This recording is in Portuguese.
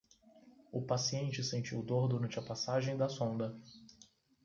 O paciente sentiu dor durante a passagem da sonda